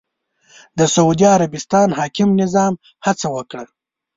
د سعودي عربستان حاکم نظام هڅه وکړه